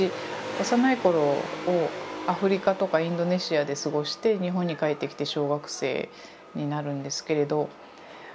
幼い頃をアフリカとかインドネシアで過ごして日本に帰ってきて小学生になるんですけれど。